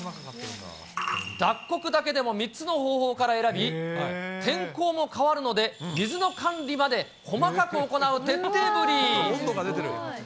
脱穀だけでも３つの方法から選び、天候も変わるので、水の管理まで、温度が出てる。